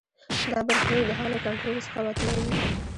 دا برخلیک د هغه له کنټرول څخه وتلی وي.